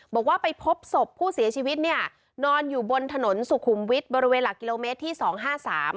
บอกว่าไปพบศพผู้เสียชีวิตเนี่ยนอนอยู่บนถนนสุขุมวิทย์บริเวณหลักกิโลเมตรที่สองห้าสาม